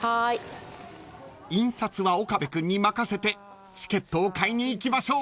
［印刷は岡部君に任せてチケットを買いに行きましょう］